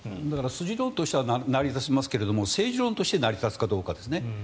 筋論としては成り立ちますが政治論として成り立つかどうかですね。